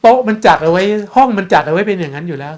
มันจัดเอาไว้ห้องมันจัดเอาไว้เป็นอย่างนั้นอยู่แล้ว